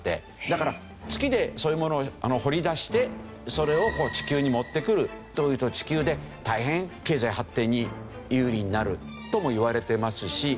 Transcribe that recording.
だから月でそういうものを掘り出してそれを地球に持ってくるというと地球で大変経済発展に有利になるともいわれてますし。